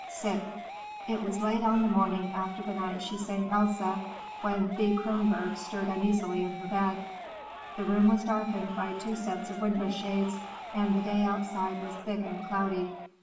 VI It was late on the morning after the night she sang Elsa, when Thea Kronborg stirred uneasily in her bed. The room was darkened by two sets of window shades, and the day outside was thick and cloudy.